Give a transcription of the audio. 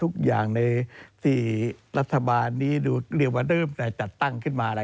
ใกล้ตัวนี้แหละ